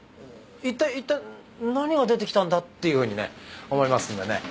いったいいったい何が出てきたんだ？っていうふうにね思いますんでね。